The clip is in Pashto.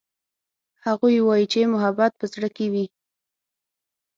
هغوی وایي چې محبت په زړه کې وي